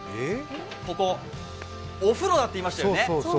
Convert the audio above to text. ここ、お風呂だって言いましたよね？